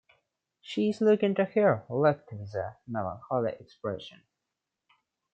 She is looking to her left with a melancholy expression.